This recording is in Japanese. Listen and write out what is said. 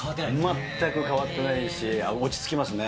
全く変わってないですし、落ち着きますね。